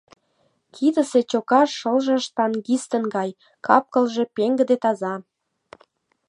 Кидысе чока шылже штангистын гай, кап-кылже пеҥгыде, таза.